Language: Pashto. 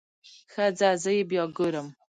ښه ځه زه يې بيا ګورم.